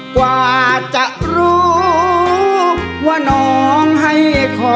กว่าจะรู้ว่าน้องให้คอ